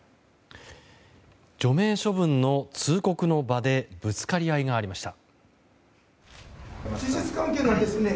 除名処分の通告の場でぶつかり合いがありました。